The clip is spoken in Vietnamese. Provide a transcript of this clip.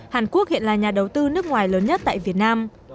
hàn quốc hiện là nhà đầu tư nước ngoài lớn nhất tại việt nam